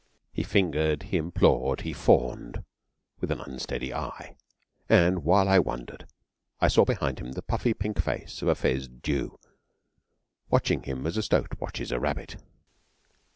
He fingered, he implored, he fawned with an unsteady eye, and while I wondered I saw behind him the puffy pink face of a fezzed Jew, watching him as a stoat watches a rabbit.